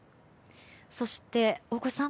そして、大越さん。